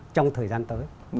trong thời gian tới